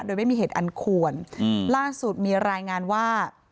โดยไม่มีเหตุอันควรล่าสุดมีรายงานว่า